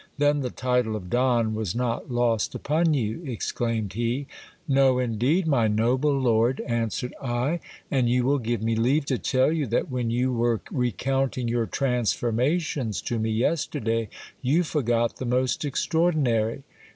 Then the title of Don was not lost upon you ! exclaimed he. No, indeed, my noble lord, answered I ; and you will give me leave to tell you that when you were recounting your transformations to me yesterday, you forgot the most extraordinary.